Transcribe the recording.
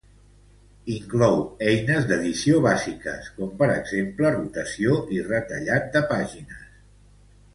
Inclou eines d'edició bàsiques, com per exemple rotació i retallat de pàgines.